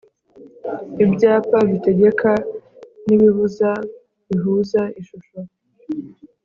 Ibyapa bitegeka nibibuza bihuza ishusho